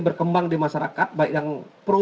berkembang di masyarakat baik yang pro